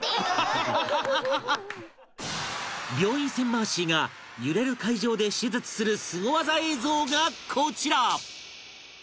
病院船マーシーが揺れる海上で手術するスゴ技映像がこちら